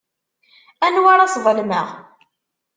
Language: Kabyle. Anwa ara sḍelmeɣ?